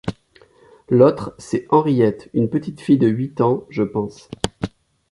L’autre, c’est Henriette, une petite fille de huit ans, je pense.